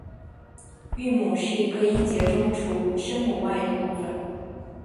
韵母是一个音节中除声母外的部分。